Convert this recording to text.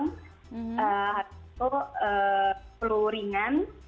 waktu itu pelurinan